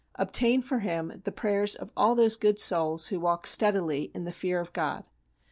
Obtain for him the prayers of all those good souls who walk steadily in the fear of God.